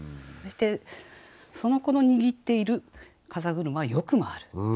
そしてその子の握っている風車はよく回る。